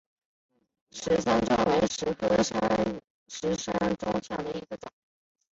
石山棕为棕榈科石山棕属下的一个种。